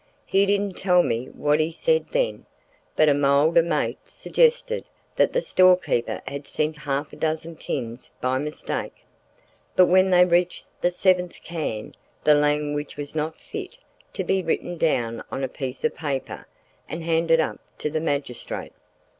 He didn't tell me what he said then, but a milder mate suggested that the storekeeper had sent half a dozen tins by mistake. But when they reached the seventh can the language was not even fit to be written down on a piece of paper and handed up to the magistrate.